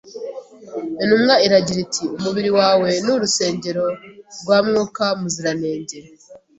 Intumwa iragira iti, umubiri wawe ni urusengero rwa Mwuka Muziranenge.